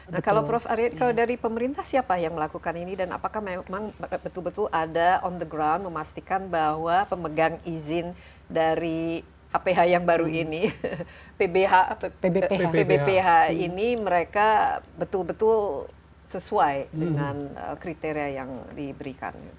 nah kalau prof arya kalau dari pemerintah siapa yang melakukan ini dan apakah memang betul betul ada on the ground memastikan bahwa pemegang izin dari aph yang baru ini pbph ini mereka betul betul sesuai dengan kriteria yang diberikan